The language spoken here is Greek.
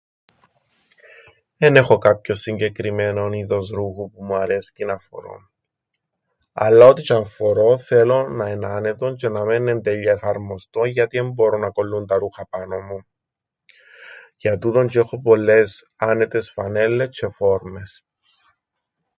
Εν έχω κάποιον συγκεκριμένον είδος ρούχου που μου αρέσκει να φορώ, αλλά ό,τι τζ̆' αν φορώ θέλω να εν' άνετον τζ̆αι να μεν εν' τέλεια εφαρμοστόν, γιατί εν ι-μπόρω να κολλούν τα ρούχα πάνω μου. Για τούτον τζ̆' έχω πολλές άνετες φανέλλες τζ̆αι φόρμες.